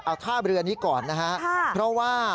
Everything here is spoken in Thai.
เอาท่าเรือนี้ก่อนนะฮะเพราะว่า